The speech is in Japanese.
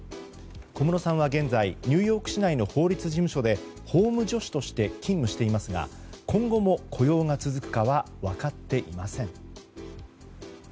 小室さんは現在ニューヨーク市内の法律事務所で法務助手として勤務していますが今後も雇用が続くかは分かっていません。